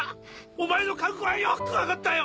お前の覚悟はよく分かったよ！